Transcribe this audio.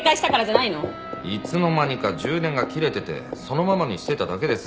いつの間にか充電が切れててそのままにしてただけです。